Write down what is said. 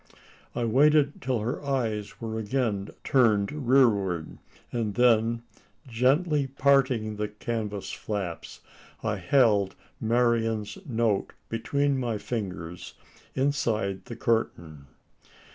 I waited till her eyes were again turned rearward; and then, gently parting the canvas flaps, I held Marian's note between my fingers inside the curtain.